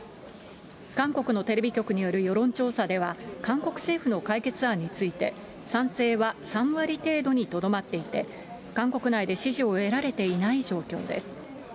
韓国のテレビ局による世論調査では、韓国政府の解決案について、賛成は３割程度にとどまっていて、韓国内で支持を得られていない状況です。